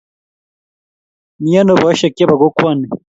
Miano boisiek chebo kokwani?